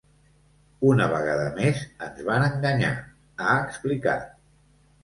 Una vegada més ens van enganyar, ha explicat.